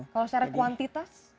kalau secara kuantitas